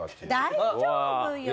大丈夫よ。